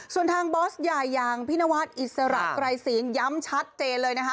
ส่วนทางบอสใหญ่อย่างพี่นวัดอิสระไกรศีลย้ำชัดเจนเลยนะคะ